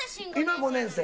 「今５年生。